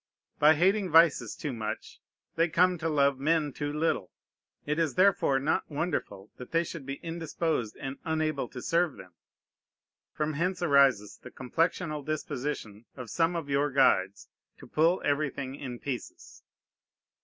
By hating vices too much, they come to love men too little. It is therefore not wonderful that they should be indisposed and unable to serve them. From hence arises the complexional disposition of some of your guides to pull everything in pieces.